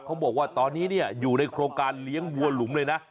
เขาบอกว่าตอนนี้อยู่ในโครงการเลี้ยงวัวหลุมเลยนะ